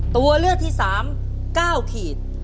ตัวเลือกที่๓๙ขีด